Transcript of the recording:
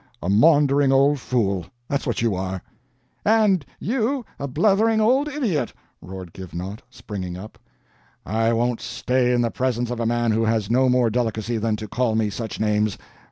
A maundering old fool! that's what you are." "And you a blethering old idiot!" roared Givenaught, springing up. "I won't stay in the presence of a man who has no more delicacy than to call me such names.